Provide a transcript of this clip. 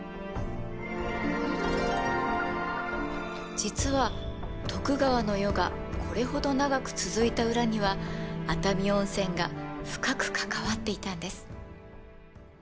実は徳川の世がこれほど長く続いた裏には熱海温泉が深く関わっていたんです。